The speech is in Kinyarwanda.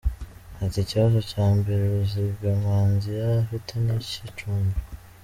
Ati “Ikibazo cya mbere Ruzigamanzi yari afite ni icy’icumbi.